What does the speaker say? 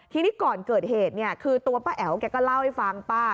ทีนี้ก่อนเกิดเหตุเนี่ยคือตัวป้าแอ๋วแกก็เล่าให้ฟังป้า